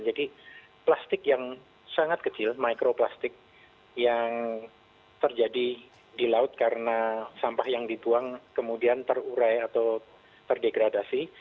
jadi plastik yang sangat kecil mikroplastik yang terjadi di laut karena sampah yang dituang kemudian terurai atau terdegradasi